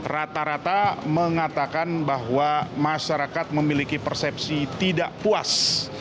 rata rata mengatakan bahwa masyarakat memiliki persepsi tidak puas